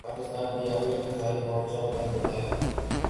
پاکستان میں یہ آخری دفاعی مورچہ ہوتا ہے۔